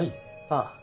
ああ。